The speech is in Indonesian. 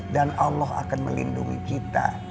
dan allah akan melindungi kita